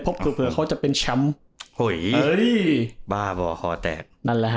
เพราะเผื่อเขาจะเป็นแชมป์โหยบ้าบ่คอแตกนั่นแหละฮะ